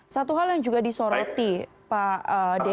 satu hal yang juga disoroti pak dedy